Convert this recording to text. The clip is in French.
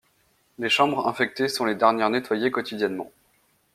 Les chambres infectées sont les dernières nettoyées quotidiennement.